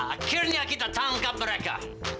akhirnya kita tangkap mereka